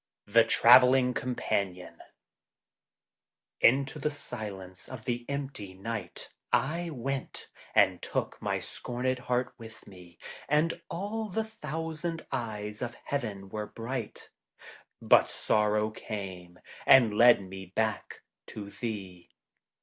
THE TRAVELLING COMPANION INTO the silence of the empty night I went, and took my scorned heart with me, And all the thousand eyes of heaven were bright ; But Sorrow came and led me back to thee.